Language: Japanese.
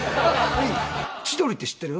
千鳥って知ってる？